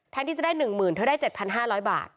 ที่จะได้๑๐๐๐เธอได้๗๕๐๐บาท